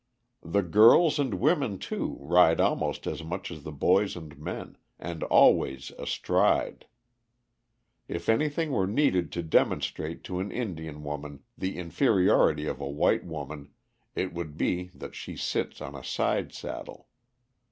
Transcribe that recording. The girls and women, too, ride almost as much as the boys and men, and always astride. If anything were needed to demonstrate to an Indian woman the inferiority of a white woman it would be that she sits on a side saddle.